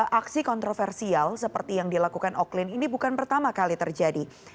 aksi kontroversial seperti yang dilakukan oklin ini bukan pertama kali terjadi